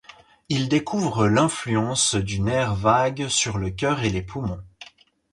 Il découvre l'influence du nerf vague sur le cœur et les poumons.